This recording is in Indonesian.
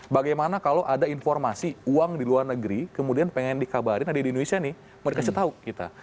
bagaimana kalau ada informasi uang di luar negeri kemudian pengen dikabarin ada di indonesia nih mau dikasih tahu kita